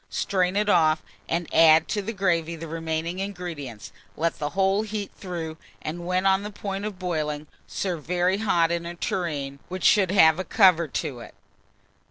Strain it off, and add to the gravy the remaining ingredients; let the whole heat through, and, when on the point of boiling, serve very hot in a tureen which should have a cover to it.